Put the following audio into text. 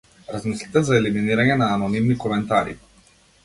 Размислете за елиминирање на анонимни коментари.